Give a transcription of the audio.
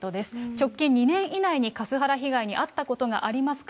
直近２年以内にカスハラ被害に遭ったことがありますか？